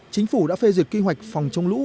chính phủ đã phê duyệt kế hoạch phòng chống lũ